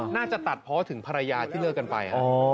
น่าจะตัดเพราะถึงภรรยาที่เลิกกันไป